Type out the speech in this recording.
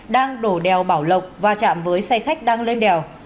đang đổ đèo bảo lộc va chạm với xe khách đang lên đèo